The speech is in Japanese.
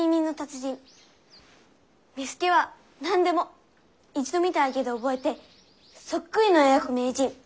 巳助は何でも一度見ただけで覚えてそっくりの絵を描く名人。